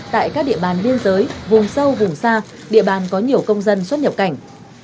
tại các địa bàn biên giới vùng sâu vùng xa địa bàn có nhiều công dân xuất nhập cảnh